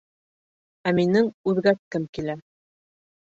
Ә минең үҙгәрткем килә.